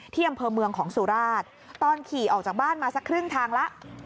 ที่อำเภอเมืองของสุราชตอนขี่ออกจากบ้านมาสักครึ่งทางแล้ว